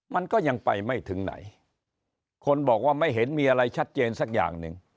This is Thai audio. มันก็ยังไปไม่ถึงไหนคนบอกว่าไม่เห็นมีอะไรชัดเจนสักอย่างหนึ่ง